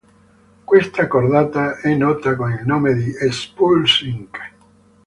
Questa cordata è nota con il nome di "S-Pulse, Inc".